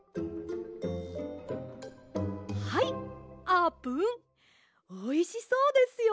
はいあーぷんおいしそうですよ。